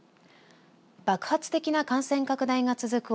爆発的な感染拡大が続く